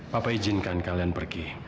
papa izinkan kalian pergi